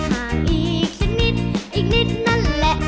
หากอีกสักนิดอีกนิดนั่นแหละ